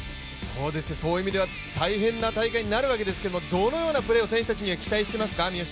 そういう意味では大変な大会になるわけですけどもどのようなプレーを選手たちには期待していますか？